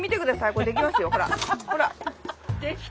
これできますよほらほら。